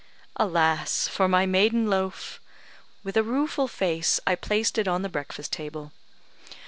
Alas! for my maiden loaf! With a rueful face I placed it on the breakfast table.